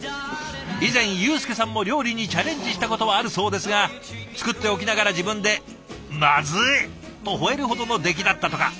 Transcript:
以前祐扶さんも料理にチャレンジしたことはあるそうですが作っておきながら自分で「まずい！」とほえるほどの出来だったとか。